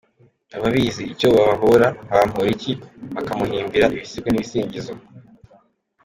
Abibaza icyo babahora, nka Bamporiki, bakamuhimbira ibisigo n’ibisingizo.